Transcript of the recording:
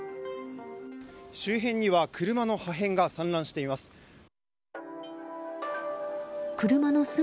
周辺には車の破片が散乱しています。